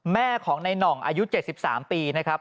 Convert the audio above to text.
แม่ของในหน่องอายุ๗๓ปีนะครับ